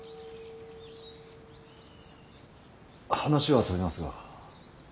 話は飛びますが。